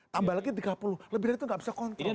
tambah lagi tiga puluh lebih dari itu nggak bisa kontrol